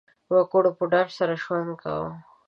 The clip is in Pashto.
وګړو په ډاډ سره ژوند کاوه.